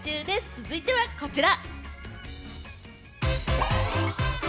続いてはこちら。